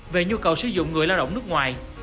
về nhu cầu sử dụng người lao động nước ngoài